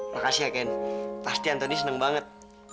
makasih ya ken pasti antoni seneng banget